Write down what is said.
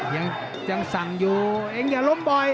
ยังสั่งอยู่เองอย่าล้มบ่อย